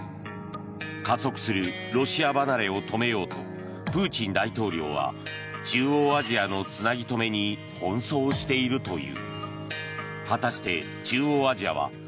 加速するロシア離れを止めようとプーチン大統領は中央アジアのつなぎ止めに奔走しているという。